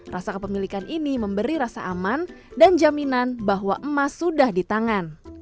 rasa kepemilikan ini memberi rasa aman dan jaminan bahwa emas sudah di tangan